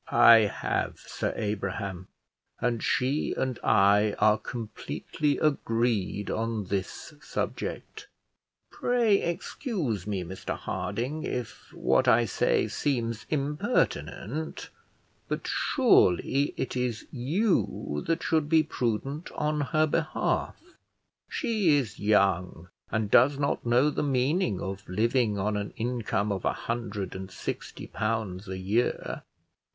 "I have, Sir Abraham; and she and I are completely agreed on this subject." "Pray excuse me, Mr Harding, if what I say seems impertinent; but surely it is you that should be prudent on her behalf. She is young, and does not know the meaning of living on an income of a hundred and sixty pounds a year.